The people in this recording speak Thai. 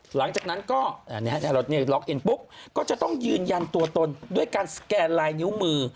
หลังจากนั้นก็ล็อกเอ็นปุ๊บก็จะต้องยืนยันตัวตนด้วยการสแกนลายนิ้วมือ